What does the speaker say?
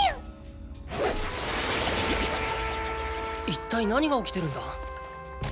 一体何が起きてるんだ？